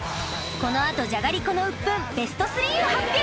このあとじゃがりこのウップンベスト３を発表